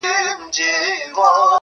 پرې کوي غاړي د خپلو اولادونو-